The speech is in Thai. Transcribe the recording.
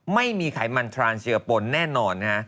ไม่มีไขมันทรานซ์เชือผลแน่นอน